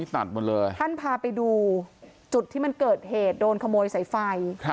ตัดหมดเลยท่านพาไปดูจุดที่มันเกิดเหตุโดนขโมยสายไฟ